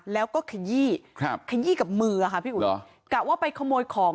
เธอบอกเว่ยทำงานอะไรนะ